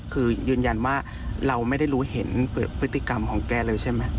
คือยืนยันว่าเราไม่ได้รู้เห็นพฤติกรรมของแกเลยใช่ไหม